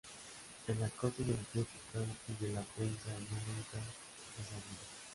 El acoso de la crítica y de la prensa ya nunca cesaría.